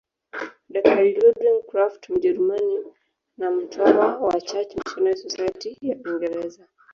Daktari Ludwig Krapf Mjerumani na mtawa wa Church Missionary Society ya Uingereza